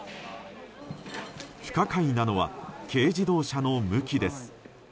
不可解なのは軽自動車の向きです。